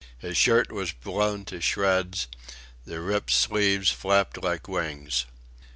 His shirt was blown to shreds; the ripped sleeves flapped like wings.